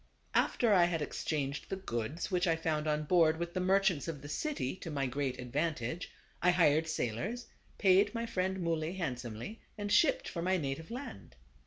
After I had ex changed the goods which I found on board with the merchants of the city to my great advantage, I hired sailors, paid my friend Muley hand somely, and shipped for my native land.